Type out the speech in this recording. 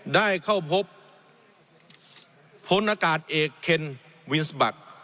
ได้เข้าพบพลอากาศเอกเคนวินสบัค